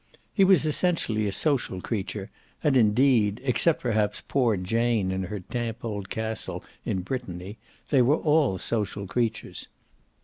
He was essentially a social creature and indeed except perhaps poor Jane in her damp old castle in Brittany they were all social creatures.